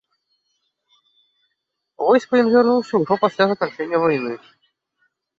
У войска ён вярнуўся ўжо пасля заканчэння вайны.